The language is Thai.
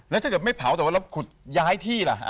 แล้วถ้าเกิดไม่เผาแต่ว่าเราขุดย้ายที่ล่ะ